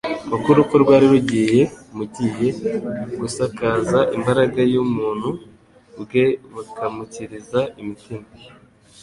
kuko urupfu rwari mgiye gusakaza imbaraga y'ubuntu bwe bukamukiriza imitima.